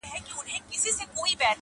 چی څرگندي بې عقلۍ مي د ځوانۍ سي -